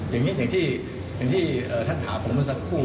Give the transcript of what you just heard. อย่างงี้อาจที่ท่านถามมาซักคู่